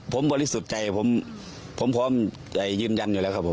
ผมบริสุทธิ์ใจผมพร้อมจะยืนยันอยู่แล้วครับผม